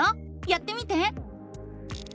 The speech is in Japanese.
やってみて！